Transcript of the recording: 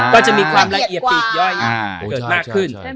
ก็จะมีความละเอียดปีกย่อยเกิดมากขึ้น